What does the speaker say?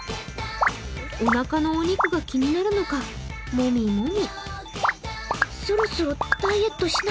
おなかのお肉が気になるのか、もみもみ。